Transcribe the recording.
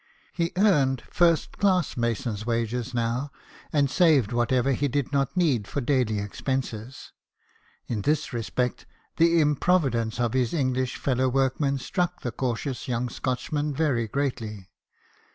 He earned first class mason's wages now, and saved what ever he did not need for daily expenses. In this respect, the improvidence of his English fellow workmen struck the cautious young Scotchman very greatly.